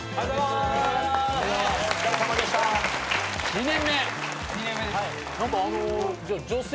２年目。